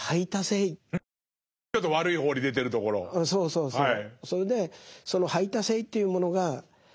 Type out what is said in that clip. そうそうそう。